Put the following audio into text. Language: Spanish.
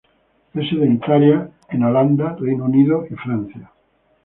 Es sedentario en Holanda, Reino Unido y Francia.